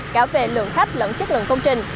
cả về lượng khách lẫn chất lượng công trình